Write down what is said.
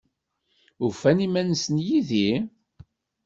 Ufan iman-nsen yid-i?